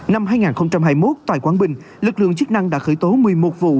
năm hai nghìn hai mươi một tại quảng bình lực lượng chức năng đã khởi tố một mươi một vụ